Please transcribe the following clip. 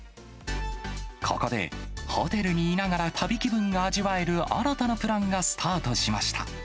ここで、ホテルにいながら旅気分が味わえる、新たなプランがスタートしました。